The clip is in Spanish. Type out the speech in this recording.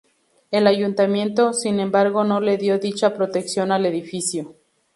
El ayuntamiento, sin embargo, no le dio dicha protección al edificio.